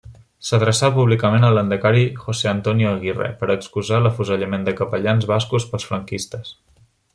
S'adreçà públicament al lehendakari José Antonio Aguirre per excusar l'afusellament de capellans bascos pels franquistes.